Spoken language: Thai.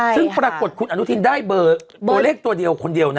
ซึ่งปรากฏคุณอนุทินได้เบอร์ตัวเลขตัวเดียวคนเดียวนะ